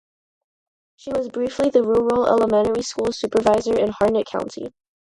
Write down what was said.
She was briefly the rural elementary school supervisor in Harnett County.